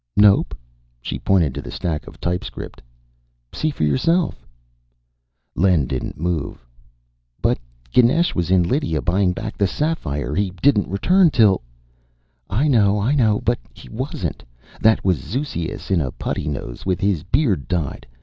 "Nope." She pointed to the stack of typescript. "See for yourself." Len didn't move. "But Ganesh was in Lydia, buying back the sapphire. He didn't return till " "I know, I know. But he wasn't. That was Zeuxias in a putty nose with his beard dyed.